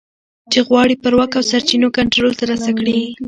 چې غواړي پر واک او سرچینو کنټرول ترلاسه کړي